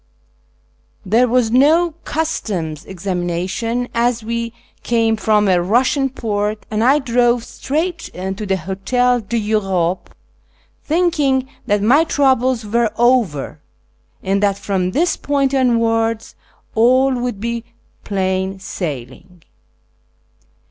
There w^as no customs' examina tion, as we came from a Eussiau port, and I drove straight to the Hotel d'Europe, thinking that my troubles were over, and that from this point onwards all would be plain sailing.